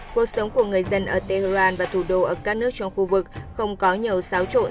cuộc sống của người dân ở tehran và thủ đô ở các nước trong khu vực không có nhiều xáo trộn